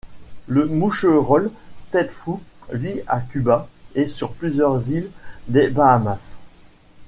Le Moucherolle tête-fou vit à Cuba et sur plusieurs îles des Bahamas.